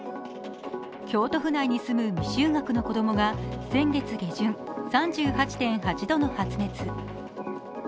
京都府内に住む未就学の子供が先月下旬、３８．８度の発熱。